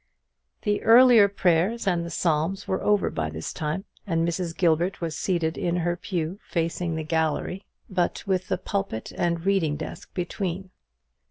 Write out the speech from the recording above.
The earlier prayers and the psalms were over by this time; and Mrs. Gilbert was seated in her pew facing the gallery, but with the pulpit and reading desk between.